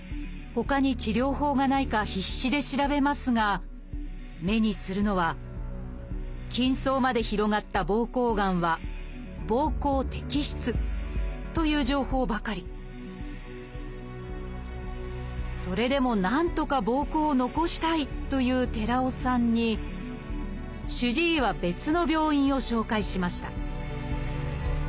ほかに治療法がないか必死で調べますが目にするのは「筋層まで広がった膀胱がんは膀胱摘出」という情報ばかりそれでもなんとか膀胱を残したいという寺尾さんに主治医は別の病院を紹介しました